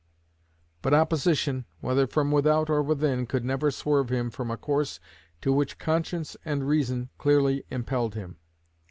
But opposition, whether from without or within, could never swerve him from a course to which conscience and reason clearly impelled him.